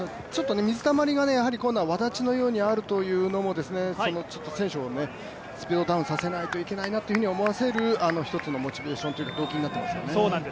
水たまりがコーナー、わだちのようにあるというのが選手をスピードダウンさせないといけないなと思わせる一つのモチベーション、動機になってますね。